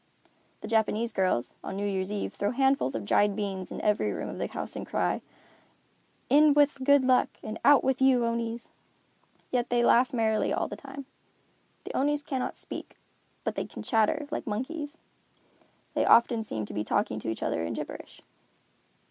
The Japanese girls, on New Year's eve, throw handfuls of dried beans in every room of the house and cry, "In, with good luck; and out with you, Onis!" Yet they laugh merrily all the time. The Onis cannot speak, but they can chatter like monkeys. They often seem to be talking to each other in gibberish.